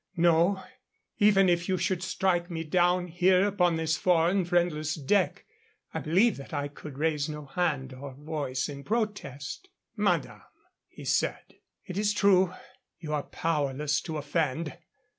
No, even if you should strike me down here upon this foreign, friendless deck, I believe that I could raise no hand or voice in protest." "Madame!" he said. "It is true. You are powerless to offend.